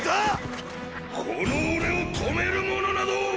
この俺を止める者など！！